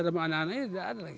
mana mana ini tidak ada lagi